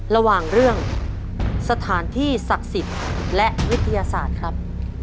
ระหว่างเรื่องสถานที่ศักดิ์สิทธิ์และวิทยาศาสตร์ครับ